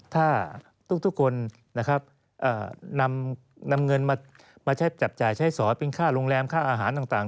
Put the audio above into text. ถ้าทุกคนนะครับนำเงินมาใช้จับจ่ายใช้สอยเป็นค่าโรงแรมค่าอาหารต่าง